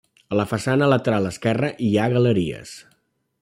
A la façana lateral esquerra hi ha galeries.